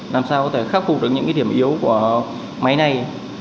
làm sao có thể khắc phục được những điểm yếu của máy này